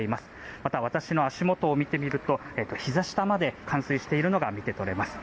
また私の足元を見てみるとひざ下まで冠水しているのが見て取れます。